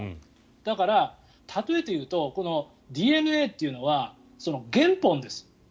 だから、例えていうとこのＤＮＡというのは原本です。